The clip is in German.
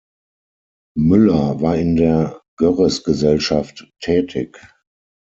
Müller war in der Görresgesellschaft tätig.